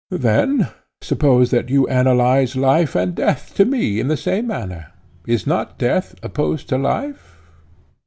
Then, suppose that you analyze life and death to me in the same manner. Is not death opposed to life?